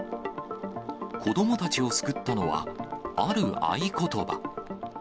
子どもたちを救ったのは、ある合言葉。